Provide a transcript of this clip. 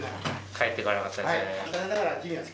帰ってこれなかったですね。